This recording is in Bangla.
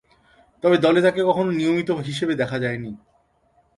তবে দলে তাকে কখনো নিয়মিত হিসেবে দেখা যায়নি।